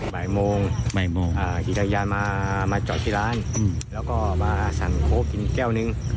บ่ายโมงขี่จักรยานมาจอดที่ร้านแล้วก็มาสั่งโค้กกินอีกแก้วหนึ่ง